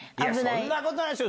そんなことないでしょ？